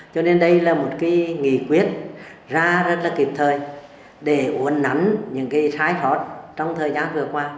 cho nên đây là một nghỉ quyết ra rất là kịp thời để uốn nắn những sai thoát trong thời gian vừa qua